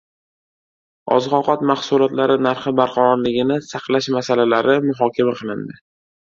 Oziq-ovqat mahsulotlari narxi barqarorligini saqlash masalalari muhokama qilindi